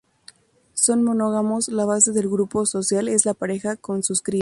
Son monógamos, la base del grupo social es la pareja con sus crías.